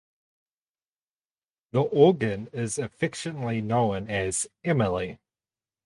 The organ is affectionately known as "Emily".